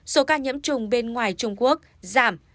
số ca nhiễm trùng bên ngoài trung quốc giảm